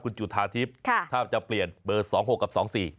คุณจุฐาทิพย์ถ้าจะเปลี่ยนเบอร์สองหกกับสองสี่